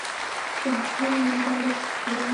د هند ملي بیرغ تیرانګه دی.